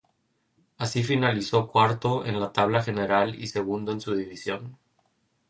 Así, finalizó cuarto en la tabla general y segundo en su división.